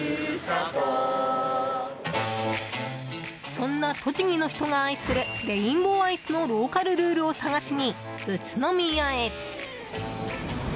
そんな栃木の人が愛するレインボーアイスのローカルルールを探しに宇都宮へ。